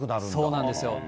そうなんですよ。